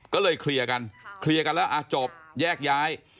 ก็เลยเคลียร์กันเคลียร์กันแล้วอ่ะจบแยกย้าย